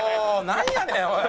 なんやねんおい！